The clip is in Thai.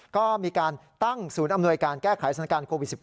ก็มีการตั้งศูนย์อำนวยการแก้ไขสถานการณ์โควิด๑๙